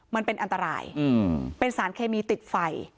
มันเป็นอันตรายเป็นสารเคมีติดไฟ